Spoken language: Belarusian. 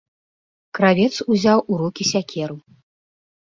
Кравец узяў у рукі сякеру.